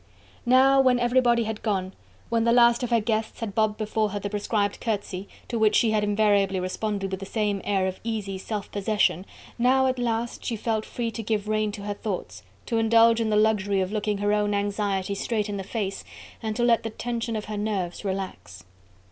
Now, when everybody had gone, when the last of her guests had bobbed before her the prescribed curtsey, to which she had invariably responded with the same air of easy self possession, now at last she felt free to give rein to her thoughts, to indulge in the luxury of looking her own anxiety straight in the face and to let the tension of her nerves relax.